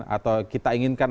atau kita inginkan